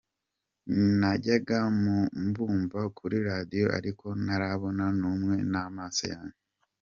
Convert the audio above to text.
Najyaga mbumva kuri radio ariko ntarabona n’umwe n’amaso yanjye.